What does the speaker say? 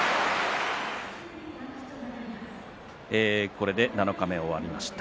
これで七日目、終わりました。